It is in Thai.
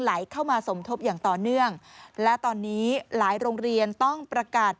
ไหลเข้ามาสมทบอย่างต่อเนื่องและตอนนี้หลายโรงเรียนต้องประกาศ